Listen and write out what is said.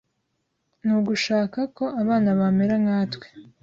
ni ugushaka ko abana bamera nkatwe.